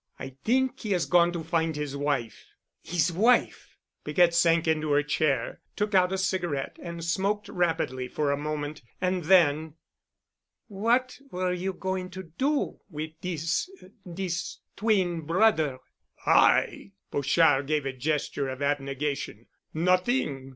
"I think he has gone to find his wife." "His wife!" Piquette sank into her chair, took out a cigarette and smoked rapidly for a moment. And then, "What were you going to do with this—this twin brother?" "I?" Pochard gave a gesture of abnegation. "Nothing.